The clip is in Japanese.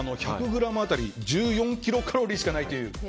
１００ｇ当たり１４キロカロリーしかないという。